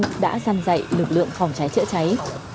chủ tịch hồ chí minh đã dành dạy lực lượng phòng cháy chữa cháy